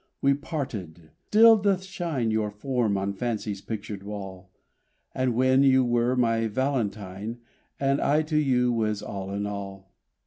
we parted! Still doth shine Your form on fancy's pictured wall, As when you were my "Valentine," And I to you was all in all!